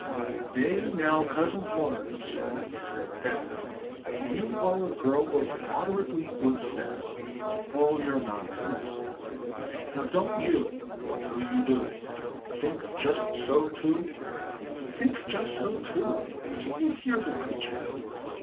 "Nay, now, Cousin Florence," said Edward, "you are a girl of moderately good sense, with all your nonsense. Now don't you (I know you do) think just so too?" "Think just so too! do you hear the creature?"